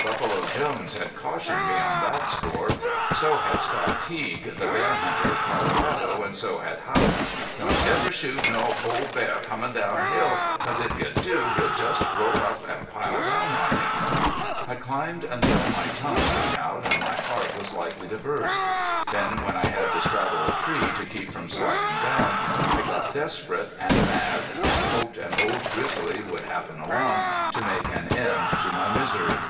Buffalo Jones had cautioned me on that score, so had Scott Teague, the bear hunter of Colorado, and so had Haught. "Don't never shoot no ole bar comin' down hill, 'cause if you do he'll just roll up an' pile down on you!" I climbed until my tongue hung out and my heart was likely to burst. Then when I had to straddle a tree to keep from sliding down I got desperate and mad and hoped an old grizzly would happen along to make an end to my misery.